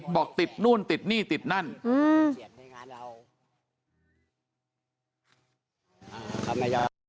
บอกติดนู่นติดนี่ติดนั่นอืม